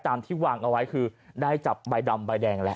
ตามที่วางเอาไว้คือได้จับใบดำใบแดงแล้ว